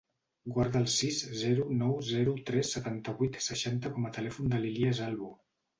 Guarda el sis, zero, nou, zero, tres, setanta-vuit, seixanta com a telèfon de l'Ilyas Albo.